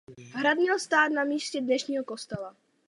Hrad měl stát na místě dnešního kostela.